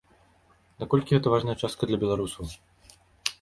Наколькі гэта важная частка для беларусаў?